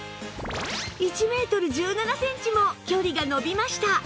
１メートル１７センチも距離が伸びました